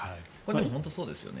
本当にそうですよね。